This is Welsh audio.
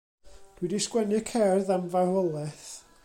Dw i 'di sgwennu cerdd am farwolaeth.